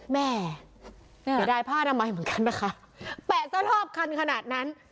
แม่ไม่ได้ผ้าน้ำไหม้เหมือนกันนะคะแปะสะทอบคันขนาดนั้น